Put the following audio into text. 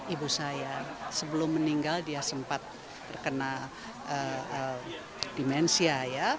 ibu saya sebelum meninggal dia sempat terkena dimensia ya